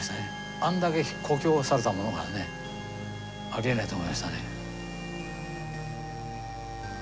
あんだけこきおろされたものがね。ありえないと思いましたね。